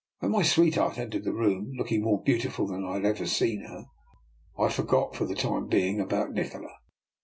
When my sweetheart entered the room, looking more beautiful than I had ever seen her, I for got, for the time being, about Nikola.